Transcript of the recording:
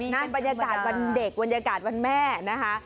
น่าปัญญากาศวันเด็กวันยากาศวันแม่นะคะ